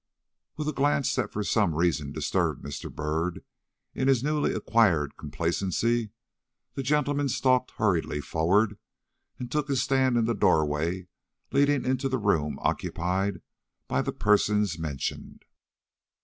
With a glance that for some reason disturbed Mr. Byrd in his newly acquired complacency, the gentleman stalked hurriedly forward and took his stand in the door way leading into the room occupied by the persons mentioned.